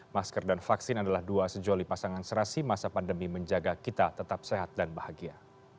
masker dan vaksin adalah dua sejoli pasangan serasi masa pandemi menjaga kita tetap sehat dan bahagia